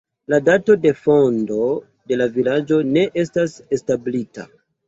La dato de fondo de la vilaĝo ne estas establita.